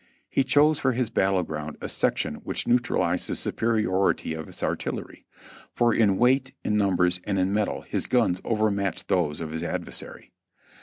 He chose for his battle ground a section which neutralized the superiority of his artillery; for in weight, in numbers and in metal his guns over matched those of his adversary.